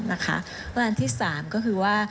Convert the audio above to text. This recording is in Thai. และอันที่สามก็คือว่า